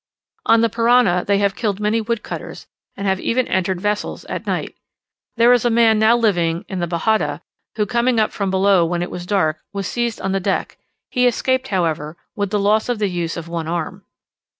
On the Parana they have killed many wood cutters, and have even entered vessels at night. There is a man now living in the Bajada, who, coming up from below when it was dark, was seized on the deck; he escaped, however, with the loss of the use of one arm.